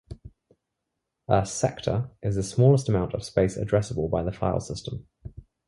A "sector" is the smallest amount of space addressable by the file system.